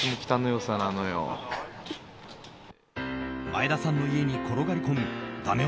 前田さんの家に転がり込むダメ